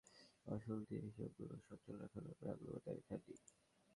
অর্থাৎ হিসাবধারীরা বছর শেষে মাশুল দিয়ে হিসাবগুলো সচল রাখার ব্যাপারে আগ্রহ দেখাননি।